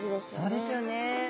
そうですよね。